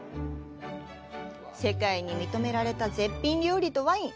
世界に認められた絶品料理とワイン。